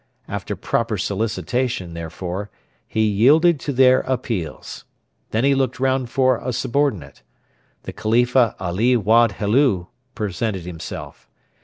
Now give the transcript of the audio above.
After proper solicitation, therefore, he yielded to their appeals. Then he looked round for a subordinate. The Khalifa Ali Wad Helu presented himself.